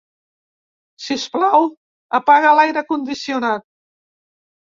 Sisplau, apaga l'aire condicionat.